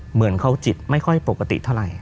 เหมือนเขาจิตไม่ค่อยปกติเท่าไหร่